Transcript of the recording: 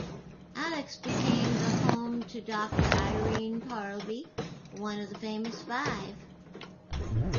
Alix became the home to Doctor Irene Parlby, one of the Famous Five.